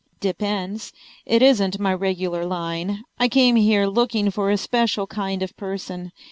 "Depends. It isn't my regular line. I came here looking for a special kind of person.